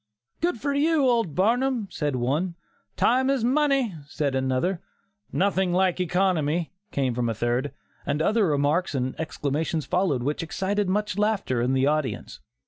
"Good for you, old Barnum," said one; "Time is money," said another; "Nothing like economy," came from a third, and other remarks and exclamations followed which excited much laughter in the audience.